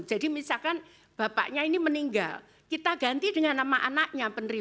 jadi misalkan bapaknya ini meninggal kita ganti dengan nama anaknya penerima